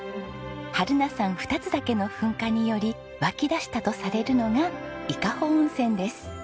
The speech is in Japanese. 榛名山二ツ岳の噴火により湧き出したとされるのが伊香保温泉です。